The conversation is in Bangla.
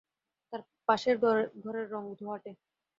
তার পাশের ঘরের রঙ ধোঁয়াটে।